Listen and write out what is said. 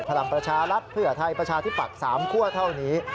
พลังประชารัฐเพื่อไทยประชาที่ฝัก๓ขั้วเท่านี้